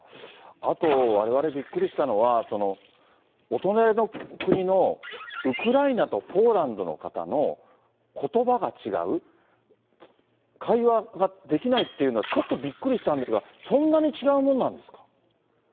あと、われわれ、びっくりしたのは、お隣の国のウクライナとポーランドの方のことばが違う、会話ができないっていうのは、ちょっとびっくりしたんですが、そんなに違うもんなんですか？